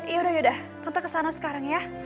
yaudah yaudah tonton kesana sekarang ya